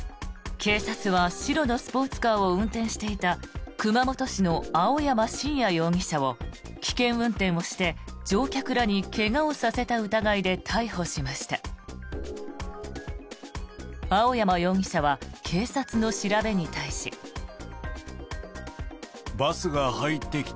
警察は白のスポーツカーを運転していた熊本市の青山真也容疑者を危険運転をして乗客らに怪我をさせた疑いで逮捕しました。